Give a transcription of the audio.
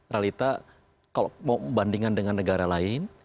realita kalau mau bandingkan dengan negara lain